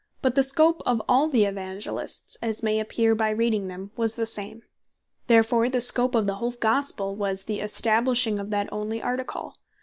But the Scope of all the Evangelists (as may appear by reading them) was the same. Therefore the Scope of the whole Gospell, was the establishing of that onely Article.